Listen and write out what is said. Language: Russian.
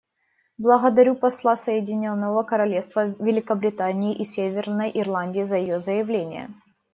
Благодарю посла Соединенного Королевства Великобритании и Северной Ирландии за ее заявление.